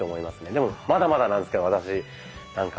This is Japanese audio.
でもまだまだなんですけど私なんか。